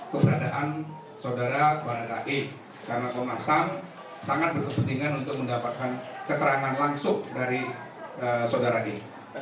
keberadaan saudara barada e karena komnas ham sangat berkepentingan untuk mendapatkan keterangan langsung dari saudara d